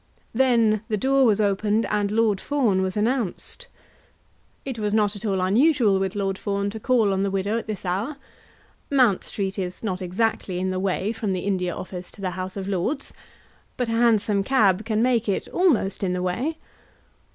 Then the door was opened, and Lord Fawn was announced. It was not at all unusual with Lord Fawn to call on the widow at this hour. Mount Street is not exactly in the way from the India Office to the House of Lords; but a Hansom cab can make it almost in the way.